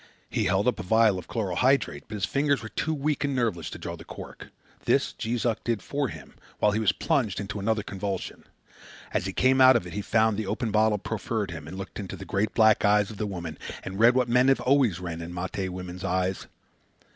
He held up a vial of chloral hydrate, but his fingers were too weak and nerveless to draw the cork. This Jees Uck did for him, while he was plunged into another convulsion. As he came out of it he found the open bottle proffered him, and looked into the great black eyes of the woman and read what men have always read in the Mate woman's eyes.